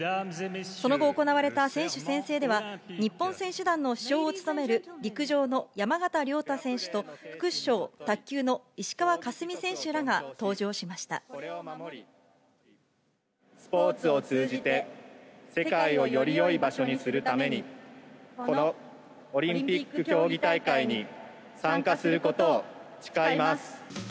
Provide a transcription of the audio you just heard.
その後行われた選手宣誓では、日本選手団の主将を務める陸上の山縣亮太選手と、副主将、卓球のスポーツを通じて、世界をよりよい場所にするために、このオリンピック競技大会に参加することを誓います。